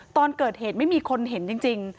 ตอนเกิดเหตุไม่มีคนเห็นจริง